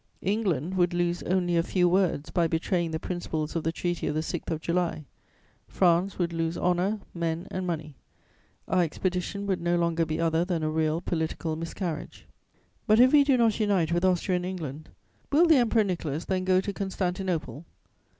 England would lose only a few words by betraying the principles of the Treaty of the 6th of July; France would lose honour, men and money. Our expedition would no longer be other than a real political miscarriage. [Sidenote: Memorandum.] "But, if we do not unite with Austria and England, will the Emperor Nicholas then go to Constantinople?